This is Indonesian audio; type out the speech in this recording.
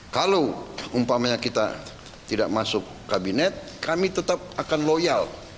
kalau umpamanya kita tidak masuk kabinet kami tetap akan loyal